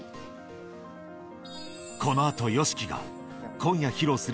この後ＹＯＳＨＩＫＩが今夜披露する